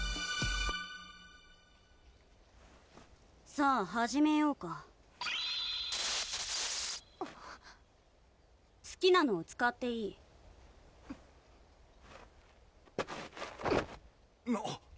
さぁ始めようかすきなのを使っていいなっ？